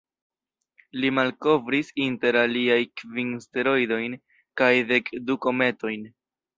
Li malkovris inter aliaj kvin asteroidojn kaj dek du kometojn.